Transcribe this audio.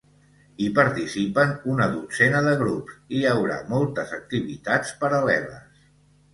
Hi participen una dotzena de grups i hi haurà moltes activitats paral·leles.